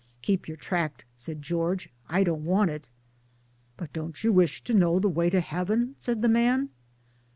" Keep your tract," said George. " I don't want it." '' But don't you wish to know the way to heaven? " said the man.